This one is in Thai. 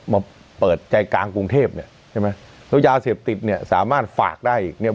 มาเปิดใจกลางกรุงเทพเนี่ยใช่ไหมแล้วยาเสพติดเนี่ยสามารถฝากได้อีกเนี่ย